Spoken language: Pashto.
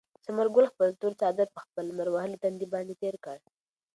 ثمر ګل خپل تور څادر په خپل لمر وهلي تندي باندې تېر کړ.